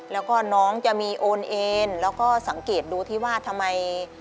แล้วก็น้องจะมีโอนเอนแล้วก็สังเกตดูที่ว่าทำไม